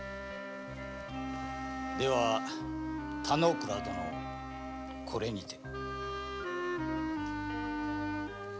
では田之倉殿これにて。